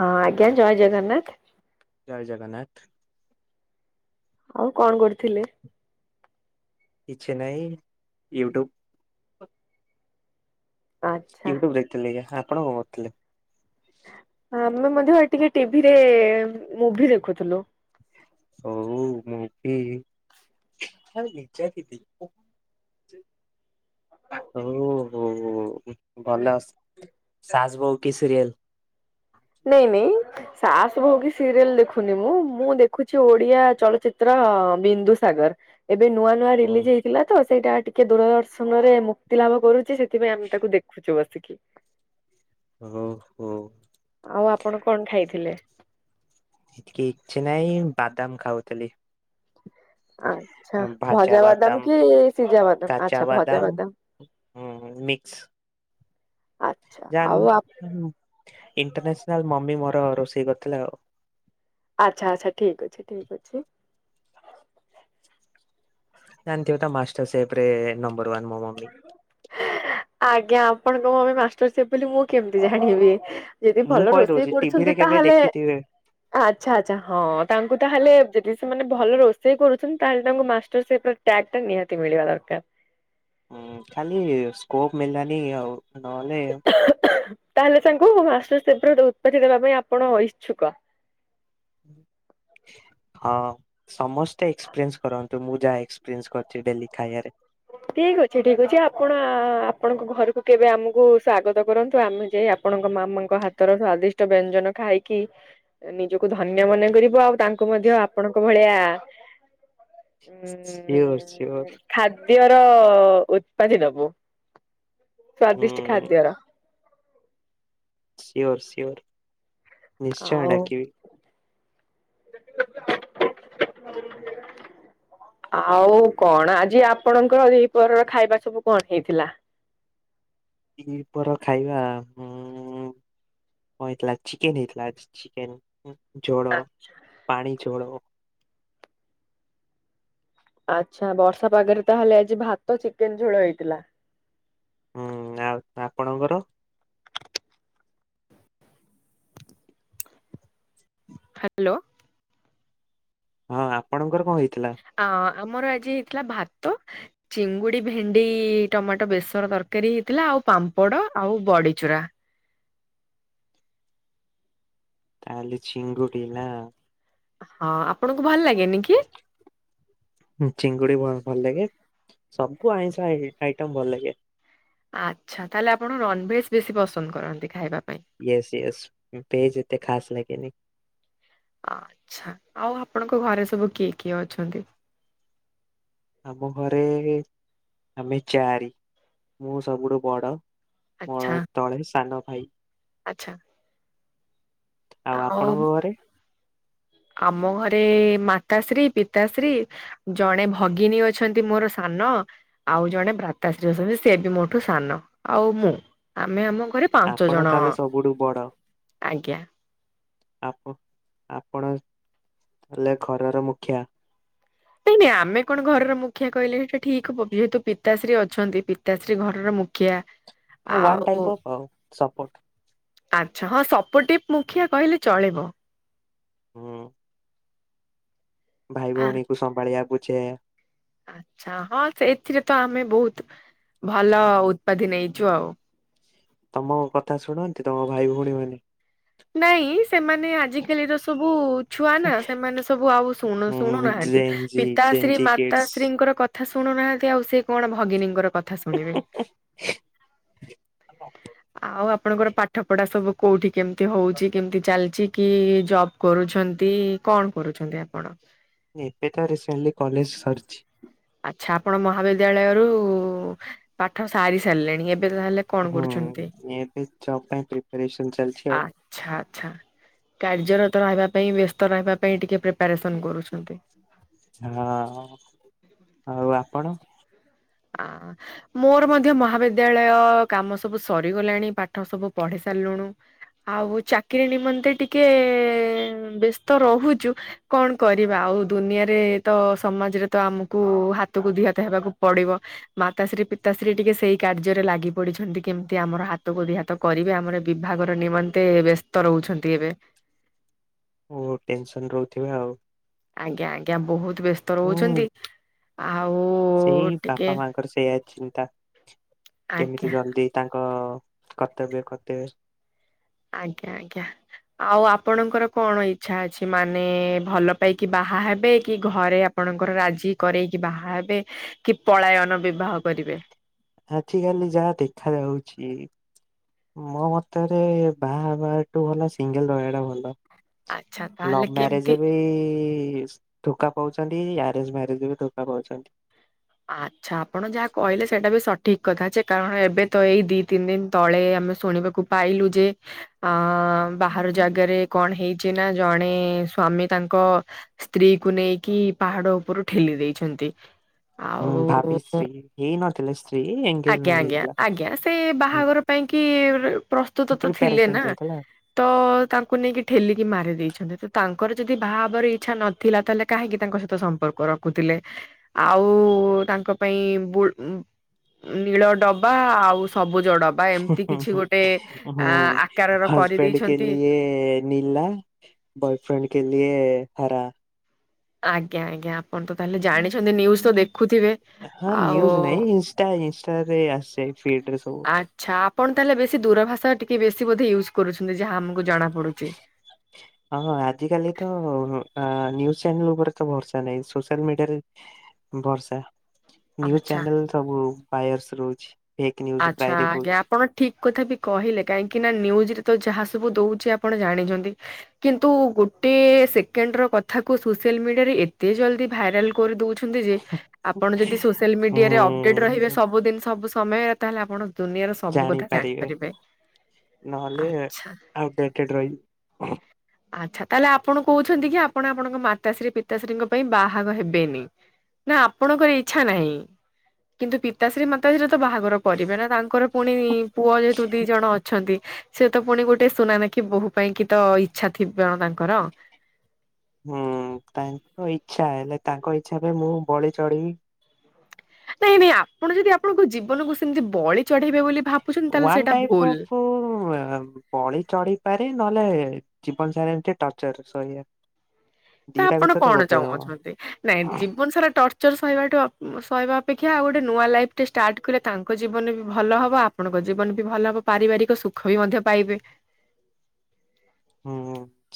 ହଁ ଆଜ୍ଞା ଜୟ ଜଗନ୍ନାଥ। ଜୟ ଜଗନ୍ନାଥ। ଆଉ କଣ କରୁଥିଲେ? କିଛି ନାଇ ୟୁଟ୍ୟୁବ ଆଚ୍ଛା ୟୁଟ୍ୟୁବ ଦେଖଥିଲେ ଆପଣ କରଥିଲେ? ଆମେ ମଧ୍ୟ ଟିକେ ଟିଭିରେ ମୁଭି ଦେଖୁଥିଲୁ। ହଉ ମୁଭି ହ ହୋ ଭଲ ଅସ ସାଜବଉ କି ସିରିଏଲ ନାଇ ନି ସାସ ଭଉ କି ସିରିଏଲ ଦେଖୁନି ମୁଁ, ମୁଁ ଦେଖୁଛି ଓଡିଆ ଚଳଚିତ୍ର ବିନ୍ଦୁ ସାଗର। ଏବେ ନୂଆ ନୂଆ ହଉ ରିଲିଜ ହେଇ ଥିଲା ତ ସେଇଟା ଟିକେ ଦୂରଦର୍ଶନ ରେ ମୁକ୍ତି ଲାଭ କରୁଛି ସେଥିପାଇଁ ଆମେ ତାକୁ ଦେଖୁଛୁ ବସିକି। ହଉ ହୋଉ ଆଉ ଆପଣ କଣ ଖାଇଥିଲେ? କିଛି ନହିଁ ବାଦାମ ଖାଉଥିଲି। ଆଚ୍ଛା, ଭଜା ବାଦାମ କି ସିଜାବାଦାମ ଆଛା ଭଜା ବାଦାମ। ହୁଁ ମିକ୍ସ ଆଚ୍ଛା [unintelligible] ଆଉ ଆପ ଇଣ୍ଟରସନାଲ ମମି ମୋର ରୋଷେଇ କରିଥିଲା ଆଉ। ଆଚ୍ଛା ଆଚ୍ଛା ଠିକ ଅଛି ଠିକ ଅଛି। ଜାଣିଚ ମାଷ୍ଟର୍ ସେଫରେ ନମ୍ବର ୱାନ୍ ମୋ ମମି। ଆଜ୍ଞା ଆପଣଙ୍କ ମମି ମାଷ୍ଟର ସ ବୋଲି ମୁଁ କେମତି ଜାଣିବି? ଯଦି ମୁଁ ଭଲ ରୋଷେଇ କହିଦଉଛି ଟିଭିରେ କରୁଛନ୍ତି କେବେ ତାହେଲେ ଦେଖିଥିବେ ଆଚ୍ଛା ଆଚ୍ଛା ହଁ ତାଙ୍କୁ ତାହେଲେ ଯଦି ସେମାନେ ଭଲ ରୋଷେଇ କରୁଛନ୍ତି ତାହେଲେ ତାଙ୍କୁ ମାଷ୍ଟର ସେ ତ୍ୟାଗ ଟା ନିହାତି ମିଳିବା ଦରକାର। ହଁ ଖାଲି ସ୍କୋପ ମିଳିଲାନି ଆଉ ନହେଲେ ତାହେଲେ ତାଙ୍କୁ ମାଷ୍ଟର ଶ ଉତ୍ପାତି ଦେବା ପାଇଁ ଆପଣ ଇଚ୍ଛୁକ। [unintelligible] ହଁ ସମସ୍ତେ ଏକ୍ସପିରିଏନ୍ସ କରନ୍ତୁ, ମୁଁ ଯାହା ଏକ୍ସପିରିଏନ୍ସ କରିଛି ଡେଲି ଖାଇବାରେ। ଠିକ ଅଛି ଠିକ ଅଛି ଆପଣ ଆପଣଙ୍କ ଘରକୁ କେବେ ଆମକୁ ସ୍ଵାଗତ କରନ୍ତୁ ଆମେ ଯାଇ ଆ ଆପଣଙ୍କ ମାମାଙ୍କ ହାତର ସ୍ଵାଦିଷ୍ଟ ବ୍ୟଞ୍ଜନ ଖାଇକି ନିଜକୁ ଧନ୍ୟ ମନେ କରିବୁ। ଆଉ ତାଙ୍କୁ ମଧ୍ୟ ଆପଣଙ୍କ ଭଳିଆ ସିଓର ଉଁ ସିଓର ଖାଦ୍ୟର ଉତ୍ପାଦି ଦବୁ ସ୍ଵାଦିଷ୍ଟ ହୁଁ ଖାଦ୍ୟର। Sure sure. ନିଶ୍ଚୟ ଆଉ ଡାକିବି। ଆଉ କଣ ଆଜି ଆପଣଙ୍କର ଦିଇପହର ଖାଇବା ସବୁ କଣ ହେଇଥିଲା? କିପର ଖାଇବା, ଉମ କଣ ହେଇଥିଲା ଚିକେନ ହେଇଥିଲା ଚିକେନ ଝୋଳ ପାଣିଝୋଳ। ଆଚ୍ଛା ବର୍ଷା ପାଗରେ ତାହଲେ ଆଜି ଭାତ ଚିକେନ ଝୋଳ ହେଇଥିଲା? ହୁଁ ଆଉ ଆପଣଙ୍କର? ହ୍ୟାଲୋ ହଁ ଆପଣଙ୍କର କଣ ହେଇଥିଲା? ଅ ଆମର ଆଜି ହେଇଥିଲା ଭାତ ଚିଙ୍ଗୁଡି ଭେଣ୍ଡି ଟମାଟୋ ବେସର ତରକାରୀ ହେଇଥିଲା ଆଉ ପାମ୍ପଡ ଆଉ ବଡିଚୁରା। ତାହେଲେ ଚିଙ୍ଗୁଡି ନା? ହଁ ଆପଣଙ୍କୁ ଭଲ ଲାଗେନି କି? ହୁ ଚିଙ୍ଗୁଡି ଭ ଭଲ ଲାଗେ ସବୁ ଆଇଁଷ ଆଇ ଆଇଟମ ଭଲ ଲାଗେ। ଆଚ୍ଛା ତାହେଲେ ଆପଣ ନନଭେଜ୍ ବେଶୀ ପସନ୍ଦ କରନ୍ତି ଖାଇବା ପାଇଁ? ୟସ ୟସ ଭେଜ ଏତେ ଖାସ ଲାଗେନି। ଆଛା ଆଉ ଆପଣଙ୍କ ଘରେ ସବୁ କିଏ କିଏ ଅଛନ୍ତି? ଆମ ଘରେ ଆମେ ଚାରି ମୁଁ ସବୁଠୁ ବଡ ମୋର ଆଚ୍ଛା ତଳେ ସାନ ଭାଇ। ଆଚ୍ଛା। ଆଉ ଆପଣଙ୍କ ଘରେ? ଆମ ଘରେ ମାତାଶ୍ରୀ ପିତାଶ୍ରୀ ଜଣେ ଭଗିନୀ ଅଛନ୍ତି ମୋର ସାନ ଆଉ ଜଣେ ଭ୍ରାତାଶ୍ରୀ ଅଛନ୍ତି ସେ ବି ମୋଠୁ ସାନ ଆଉ ମୁଁ ଆମେ ଆମ ଘରେ ପାଞ୍ଚ ଆପଣ ଜଣ ତାହେଲେ ସବୁଠୁ ବଡ ଆଜ୍ଞା। ଆପ ଆପଣ ତାେଏଲେ ଘରର ମୁଖିଆ? ନାଇଁ ନାଇଁ ଆମେ କଣ ଘରର ମୁଖିଆ କହିଲେ ସେଟା ଠିକ ହବକି ଯେହେତୁ ପିତାଶ୍ରୀ ଅଛନ୍ତି ପିତାଶ୍ରୀ ଘରର ମୁ ଖିଆ ୱାନ୍ ଆଉ ବୁ ଟାଇପ୍ ଅଫ୍ ଆଉ ସପୋର୍ଟ ଆଚ୍ଛା ହଁ ସପୋଟିପ ମୁଖିଆ କହିଲେ ଚଳିବ। ହୁ। ଭାଇ ଆ- ଭଉଣୀ ଙ୍କୁ ସମ୍ଭାଳିଆ ବୁଝେଏ। ଆଚ୍ଛା ହଁ ସେ ଏଥିରେ ତ ଆମେ ବହୁତ ଭଲ ଉତ୍ପାଧି ନେଇଛୁ ଆଉ। ତମ କଥା ଶୁଣନ୍ତି ତମ ଭାଇ ଭଉଣୀ ମାନେ? ନାଇଁ ସେମାନେ ଆଜିକାଲିର ସବୁ ଛୁଆ ନା ସେମାନେ ସବୁ ଆଉ ଶୁଣୁ ହୁଁ ଶୁଣୁନାହାନ୍ତି ଜେନଜି ପିତାଶ୍ରୀ ଜେନଜି କିଡସ୍ ମାତାଶ୍ରୀଙ୍କର କ ଥା ଶୁଣୁନାହାନ୍ତି ଆଉ ସେ କଣ ଭଗିନୀଙ୍କର କଥା ଶୁଣିବେ [unintelligible] ଆଉ ଆପଣଙ୍କର ପାଠ ପଢା ସବୁ କୋଉଠି କେମିତି ହଉଛି କେମିତି ଚାଲିଛି? କି ଜବ କରୁଛନ୍ତି କଣ କରୁଛନ୍ତି ଆପଣ? ଏବେ ତ ରିସେଣ୍ଟଲି କଲେଜ ସରିଛି। ଆଚ୍ଛା ଆପଣ ମହାବିଦ୍ୟାଳୟରୁ ପାଠ ସାରି ସାରିଲେଣି ଏବେ ତାହେଲେ କଣ ହୁଉ କରୁଛନ୍ତି? ଏବେ ଚପ୍ ପାଇଁ ପ୍ରିପାରେସନ ଚାଲିଛି ଆଉ ଆଚ୍ଛା ଆଚ୍ଛା କାର୍ଯ୍ୟରତ ରହିବା ପାଇଁ ବ୍ୟସ୍ତ ରହିବା ପାଇଁ ଟିକେ ପ୍ରିପାରେସନ କରୁଛନ୍ତି। ହଁ ଆଉ ଆପଣ? ଆ ମୋର ମଧ୍ୟ ମହାବିଦ୍ୟାଳୟ କାମ ସବୁ ସରିଗଲାଣି ପାଠ ସବୁ ପଢି ସାରିଲୁଣୁ ଆଉ ଚାକିରି ନିମନ୍ତେ ଟିକେ ବ୍ୟସ୍ତ ରହୁଛୁ କଣ କରିବା ଆଉ ଦୁନିଆରେ ତ ସମାଜରେ ତ ଆମକୁ ହାତକୁ ଦିହାତ ହେବାକୁ ପଡିବ ମାତାଶ୍ରୀ ପିତାଶ୍ରୀ ଟିକେ ସେଇ କାର୍ଯ୍ୟରେ ଲାଗି ପଡିଛନ୍ତି କେମିତି ଆମର ହାତ କୁ ଦି ହାତ କରିବେ ଆମର ବିଭାଗର ନିମନ୍ତେ ବ୍ୟସ୍ତ ରହୁଛନ୍ତି ଏବେ ଓ ଟେନସନ ରହୁଥିବା ଆଉ ଆଜ୍ଞା ଆଜ୍ଞା ବହୁତ ବ୍ୟସ୍ତ ହୁଁ ରହୁଛନ୍ତି। ଆଉ ସେଇ ଟିକେ ବାପା ମାଙ୍କର ସେଇଆ ଚିନ୍ତା ଆଜ୍ଞା କେମିତି ଜଲଦି ତାଙ୍କ କର୍ତ୍ତବ୍ୟ କର୍ତ୍ତବେ ଆଜ୍ଞା ଆଜ୍ଞା ଆଉ ଆପଣଙ୍କର କଣ ଇଚ୍ଛା ଅଛି ମାନେ ଭଲ ପାଇକି ବାହା ହେବେ କି ଘରେ ଆ ଆପଣଙ୍କର ରାଜି କରରେଇକି ବାହା ହେବେ କି ପଳାୟନ ବିବାହ କରିବେ ଆଜିକାଲି ଯାହା ଦେଖା ଯାଉଛି ମୋ ମତରେ ବାହା ବାହା ହବା ଟୁ ଭଲ ସିଙ୍ଗଲ ରହିଁବା ଟା ଭଲ ଆଚ୍ଛା ତାହେଲେ ଲଭ କେମିତି ମ୍ୟାରେଜ ବି ଧୋକା ପାଉଛନ୍ତି ଆରେଞ୍ଜ ମ୍ୟାରେଜରେ ବି ଧୋକା ପାଉଛନ୍ତି। ଆଚ୍ଛା ଆପଣ ଯାହା କହିଲେ ସେଇଟା ବି ସଠିକ୍ କଥା ଯେ କାରଣ ଏବେ ତ ଏଇ ଦି ତିନି ଦିନ ତଳେ ଆମେ ଶୁଣିବାକୁ ପାଇଲୁ ଯେ ଅ ବାହାର ଜାଗାରେ କଣ ହେଇଛି ନା ଜଣେ ସ୍ଵାମୀ ତାଙ୍କ ସ୍ତ୍ରୀକୁ ନେଇକି ପାହାଡ ଉପରୁ ଠେଲି ଦେଇଛନ୍ତି। ହୁଁ ଭାବି ଆଉ ଶ୍ରୀ। ଆଜ୍ଞା ଆଜ୍ଞା ଆଜ୍ଞା ସେ ହୁଁ ବାହାଘର ପାଇଁ କି ପ୍ରସ୍ତୁତ ତ ଥିଲେ ପ୍ରିପାରେସନ ନା। ଚାଲିଥିଲା ତ ତାଙ୍କୁ ନେଇକି ଠେଲିକି ମାରି ଦେଇେଇଛନ୍ତି ତ ତାଙ୍କର ଯଦି ବାହା ହେବର ଇଚ୍ଛା ନ ଥିଲା ତାହେଲେ କାହିଁକି ତାଙ୍କ ସହିତ ସମ୍ପର୍କ ରଖୁଥିଲେ। ଆଉ ତାଙ୍କ ପାଇଁ ନୀଳ ଡବା ଆଉ ସବୁ ଜଡ ବା ଏମିତି କିଛି ଗୋଟେ ଆ ଆକାରର କରିଦେଇଛନ୍ତି ନୀଲା ବୟଫ୍ରେଣ୍ଡ କେଲିଏ ହରା। ଆଜ୍ଞା ଆଜ୍ଞା ଆପଣ ତ ତାହେଲେ ଜାଣିଛନ୍ତି ନ୍ୟୁଜ ତ ଦେଖୁଥିବେ। ହଁ ଆଉ ନ୍ୟୁଜ ନାଇଁ ଇନଷ୍ଟା ଇନଷ୍ଟା ରେ ଆସେ ଫିଡରେ ସବୁ। ଆଚ୍ଛା ଆପଣ ତାହେଲେ ବେଶୀ ଦୂରଭାଷା ଟିକେ ବେଶୀ ବୋଧେ ୟୁଜ୍ କରୁଛନ୍ତି ଯାହା ଆମକୁ ଜଣା ପଡୁଛି। ହଁ ହଁ ଆଜି କାଲି ତ ନିୁଜ ଚ୍ୟାନେଲ ଉପରେ ତ ଭରସା ନାହିଁ ସୋସିଆଲ ମିଡିଆରେ ବର୍ଷା ନ୍ୟୁଜ ଆଚ୍ଛା ଚ୍ୟାନେଲ ସବୁ ପାୟରସ୍ ରହୁଛି। ଫେକ୍ ନ୍ୟୁଜ୍ ଆଚ୍ଛା ପ୍ରାୟ ଆଜ୍ଞା ଦେଖଉଛି। ଆପଣ ଠିକ୍ କଥା ବି କହିଲେ କାହିଁକି ନା ନ୍ୟୁଜରେ ତ ଯାହା ସବୁ ଦେଉଛି ଆପଣ ଜାଣିଛନ୍ତି। କିନ୍ତୁ ଗୋଟେ ସେକେଣ୍ଡ ର କଥାକୁ ସୋସିଆଲ ମିଡିଆରେ ଏତେ ଜଲଦି ଭାଇରାଲ କରିଦଉଛନ୍ତି ଯେ ଆପଣ ଯଦି ସୋସିଆଲ ମିଡିଆରେ ଅପଡେଟ ରହିବେ ହୁଁ ସବୁ ଦିନ୍ ସବୁ ସମୟରେ ତାହେଲେ ଆପଣ ଦୁନିଆର ସବୁ କଥା ଜାଣିପାରିବେ, ନହେଲେ ଆଚ୍ଛା। ଆଉ ଡେଟଡ଼ ରହିବି। ଆଚ୍ଛା ତାହେଲେ ଆପଣ କହୁଛନ୍ତି କି ଆପଣ ଆପଣଙ୍କ ମାତାଶ୍ରୀ ପିତାଶ୍ରୀଙ୍କ ପାଇଁ ବାହାଘ ହେବେନି। ନା ଆପଣଙ୍କର ଇଚ୍ଛା ନାହିଁ କିନ୍ତୁ ପିତାଶ୍ରୀ ମା ସତରେ ତ ବାହାଘର ପରିବେ ନା ତାଙ୍କର ପୁଣି ପୁଅ ଯେହେତୁ ଦି ଜଣ ଅଛନ୍ତି ସେ ତ ପୁଣି ଗୋଟେ ସୁନା ଦେଖି ବୋହୁ ପାଇଁ କି ତ ଇଚ୍ଛା ଥିବ ତାଙ୍କର। ହୁଁ ତାଙ୍କ ଇଚ୍ଛା ହେଲେ ତାଙ୍କ ଇଚ୍ଛା ବି ମୁଁ ବଳି ଚଢିବି। ନାଇଁ ନାଇଁ ଆପଣ ଯଦି ଆପଣଙ୍କ ଜୀବନକୁ ସେମିତି ବଳି ଚଢେଇବେ ବୋଲି ଭାବୁଛନ୍ତି ତାହେଲେ ୱନ୍ ସେଇଟା ଟାଇପ ଭୁଲ। ଅଫ ଉ ଉ ଆ ପଳିି ଚଢି ପାରି ନହେଲେ ଜୀବନ ସାରା ଏମିତି ଟର୍ଚର ସହିଆ। ତ ଆପଣ କଣ ଚାହୁଁଅଛନ୍ତି ନାଇଁ ଜୀବନ ସାରା ଟର୍ଚ ଟଚ‌ର ସହିବାଠୁ ସହହିବା ଅପେକ୍ଷା ଆଉ ଗୋଟେ ନୂଆ ଲାଇଫଟେ ଷ୍ଟାର୍ଟ କଲେ ତାଙ୍କ ଜୀବନ ବି ଭଲ ହେବ ଆମ ଆପଣଙ୍କ ଜୀବନ ବି ଭଲ ହବ ପାରିବାରିକ ସୁଖ ବି ମଧ୍ୟ ପାଇବେ। ହୁଁ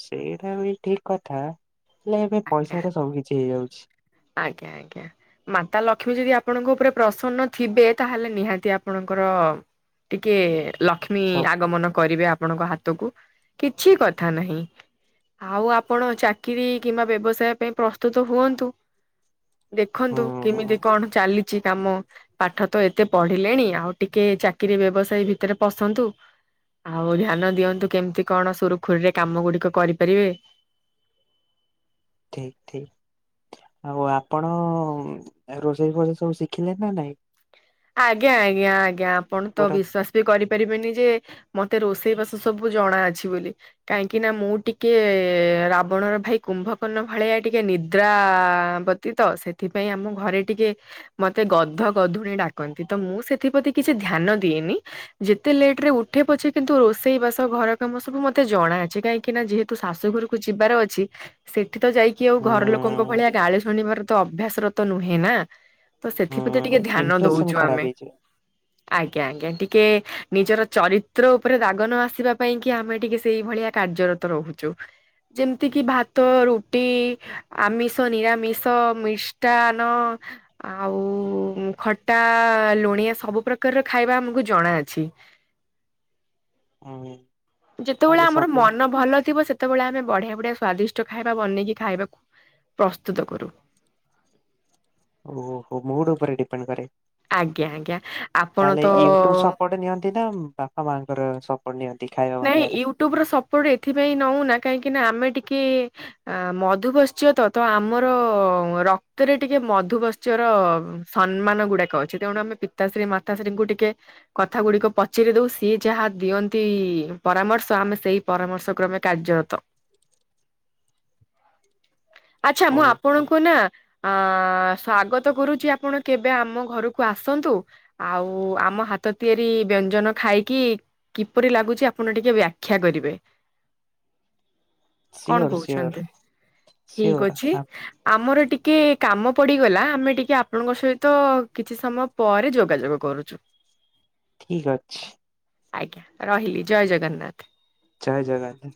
ସେଇଟା ବି ଠିକ କଥା ହେଲେ ଏବେ ଆଜ୍ଞା। ପଇସା ରେ ସବୁ କିଛି ହେଇଯାଉଛି। ଆଜ୍ଞା ଆଜ୍ଞା। ମାତା ଲକ୍ଷ୍ମୀ ଯଦି ଆପଣଙ୍କ ଉପରେ ପ୍ରସନ୍ନ ଥିବେ ତାହେଲେ ନିହାତି ଆପଣଙ୍କର ଟିକେ ଲକ୍ଷ୍ମୀ ସବୁ ଆଗମନ କରିବେ ଆପଣଙ୍କ ହାତ ହାତକୁ କିଛି କଥା ନାହିଁ। ଆଉ ଆପଣ ଚାକିରୀ କିମ୍ବା ବ୍ୟବସାୟ ପାଇଁ ପ୍ରସ୍ତୁତ ହୁଅନ୍ତୁ। ଦେଖନ୍ତୁ କେମିତି ହୁଁ କଣ ଚାଲିଛି କାମ। ପାଠ ତ ଏତେ ପଢିଲେଣି ଆଉ ଟିକେ ଚାକିରି ବ୍ୟବସାୟୀ ଭିତରେ ପଶନ୍ତୁ। ଆଉ ଧ୍ୟାନ ଦିଅନ୍ତୁ କେମିତି କଣ ସୁରୁଖୁରୁରେ କାମ ଗୁଡିକ କରିପାରିବେ। ଠିକ ଠିକ ଆଉ ଆପଣ ରୋଷେଇ ଫୋଷେଇ ସବୁ ଶିଖିଲେ ନା ନାଇଁ? ଆଜ୍ଞା ଆଜ୍ଞା ଆଜ୍ଞା ଆପଣ ତ ପୁରା ବିଶ‍‍‌୍ ବିଶ୍ୱାସ କରିପାରିବେନି ଯେ ମତେ ରୋଷେଇ ବାସ ସବୁ ଜଣା ଅଛି ବୋଲି। କାହିଁକି ନା ମୁଁ ଟିକେ ରାବଣର ଭାଇ କୁମ୍ଭକର୍ଣ୍ଣ ଭଳିଆ ଟିକେ ନିଦ୍ରା ତ ସେଥିପାଇଁ ଆମ ଘରେ ଟିକେ ମତେ ଗଧ ଗଧୁଣି ଡାକ କନ୍ତି ତ ମୁଁ ସେଥିପ୍ରତି କିଛି ଧ୍ୟାନ ଦିଏନି। ଯେତେ ଲେଟ୍ ରେ ଉଠେ ପଛେ କିନ୍ତୁ ରୋଷେଇ ବାସ ଘର କାମ ସବୁ ମତେ ଜଣା ଅଛି କାହିଁ କି ନା ଯେହେତୁ ଶାଶୁ ଘରକୁ ଯିବାର ଅଛି। ସେଠି ତ ଯାଇକି ଆଉ ହୁଁ ଘର ଲୋକଙ୍କ ଭଳିଆ ଗାଳି ଶୁଣିବାର ତ ଅଭ୍ୟାସର ତ ନୁହେଁ ନା। ତ ହୁଁ ସେଥିପ୍ରତି ଟିକେ ଧ୍ୟାନ ଇମ୍ପ୍ରେସନ ଦୋଉଚୁ ଖରାପ ଆମେ। ହେଇଯିବ ଆଜ୍ଞା ଆଜ୍ଞା ଟିକେ ନିଜର ଚରିତ୍ର ଉପରେ ଦାଗ ନ ଆସିବା ପାଇଁ କି ଆମେ ଟିକେ ସେଇଭଳିଆ କାର୍ଯ୍ୟ ତ ରହୁଚୁ। ଯେମ୍ତି କିି ଭାତ ରୁଟି ଆମିଷ ନିରାମିଷ ମିଷ୍ଟାନ ଆଉ ଖଟା ଲୁଣିଆ ସବୁ ପ୍ରକାରର ଖାଇବା ଆମକୁ ଜଣା ଅଛି। ହୁଁ। ଯେତେବେଳେ ତାହେଲେ ଆମର ସବୁ ମନ ଭଲ ଥିବ ସେ ତବେଳେ ଆମେ ବଢିଆ ବଢିଆ ସ୍ଵାଦିଷ୍ଟ ଖାଇବା ବନେଇକି ଖାଇବାକୁ ପ୍ରସ୍ତୁତ କରୁ। ଓ ହୋ ମୁଡ୍ ଉପରେ ଡିପେଣ୍ଡ୍ କରେ। ଆଜ୍ଞା ଆଜ୍ଞା ଆପଣ ତାହେଲେ ତ ୟୁଟ୍ୟୁବ୍ ସପୋର୍ଟ୍ ନିଅନ୍ତି ନା ବା ମାଆଙ୍କର ସପୋଟ୍ ନିଅନ୍ତି ଖାଇବା ବନେଇବା ରେ। ଟୁବ୍ ର ସପୋର୍ଟ ଏଥିପାଇଁ ନୋଉନା କାହିଁକିନା ଆମେ ଟିକେ ଅଆ ମଧୁ ବସ୍ଚ୍ୟ ତ ଆମର ରକ୍ତରେ ଟିକେ ମଧୁବସ୍ ଚର ସମ୍ମାନ ଗୁଡାକ ଅଛି ତେଣୁ ଆମେ ପିତାଶ୍ରୀ ମାତାଶ୍ରୀଙ୍କୁ ଟିକେ କଥା ଗୁଡିକ ପଚାରି ଦୋଉ ସିଏ ଯାହା ଦିଅନ୍ତି ପରାମର୍ଶ ଆମେ ସେଇ ପରାମର୍ଶ କ୍ରମେ କାର୍ଯ୍ୟରତ। ଆଛା ମୁଁ ଓହୋ ଆପଣଙ୍କୁ ନା ଆଁ ସ୍ଵାଗତ କରୁଛି ଆପଣ କେବେ ଆମ ଘରକୁ ଆସନ୍ତୁ। ଆଉ ଆମ ହାତ ତିଆରି ବ୍ୟଞ୍ଜନ ଖାଇକି କିପରି ଲାଗୁଚି ଆପଣ ଟିକେ ବ୍ୟାଖ୍ୟା କରିବେ। କଣ ସିଓର ସିଓର କୋହୁଛନ୍ତି ଠିକ୍ ସିଓର ଅଛି। ଆମର ଟିକେ କାମ ପଡିଗଲା ଆମେ ଟିକେ ଆପଣଙ୍କ ସହିତ କିଛି ସମୟ ପରେ ଯୋଗାଯୋଗ କରୁଚୁ। ଠିକ ଅଛି। ଆଜ୍ଞା ରହିଲି ଜୟ ଜଗନ୍ନାଥ୍। ଜୟ ଜାଗନା